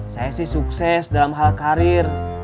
saya sih sukses dalam hal karir